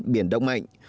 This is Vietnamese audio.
biển đông mạnh